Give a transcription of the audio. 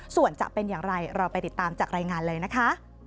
ส่วนจะเป็นอย่างไรเราไปติดตามจากรายงานเลยนะคะ